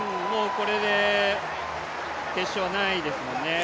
これで決勝はないですもんね。